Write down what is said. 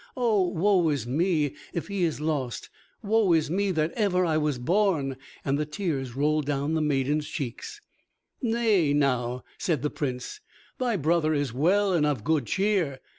Oh, woe is me if he is lost, wo is me that ever I was born," and the tears rolled down the maiden's cheeks. "Nay, now," said the Prince, "thy brother is well and of good cheer.